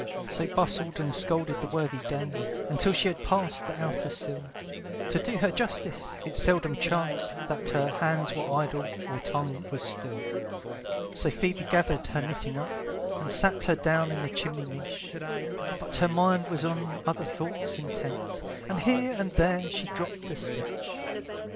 So bustled and scolded the worthy dame, Until she had passed the outer sill, To do her justice, it seldom chanced That her hands were idle, or tongue was still. So Phoebe gathered her knitting up, And sat her down in the chimney niche; But her mind was on other thoughts intent, And here and there she dropped a stitch.